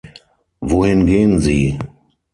Wohin gehen Sie?